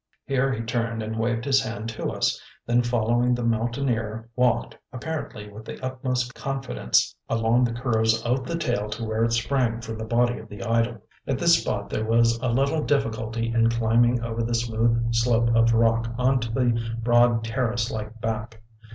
Here he turned and waved his hand to us, then following the Mountaineer, walked, apparently with the utmost confidence, along the curves of the tail to where it sprang from the body of the idol. At this spot there was a little difficulty in climbing over the smooth slope of rock on to the broad terrace like back.